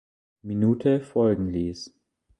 Minute folgen ließ.